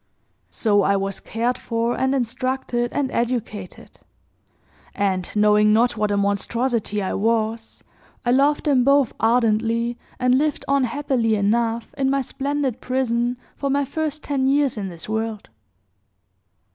So I was cared for, and instructed, and educated; and, knowing not what a monstrosity I was, I loved them both ardently, and lived on happily enough, in my splendid prison, for my first ten years in this world.